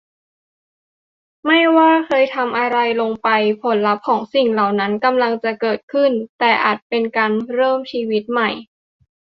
ไม่ว่าเคยทำอะไรลงไปผลลัพธ์ของสิ่งเหล่านั้นกำลังจะเกิดขึ้น แต่อาจเป็นการเริ่มชีวิตใหม่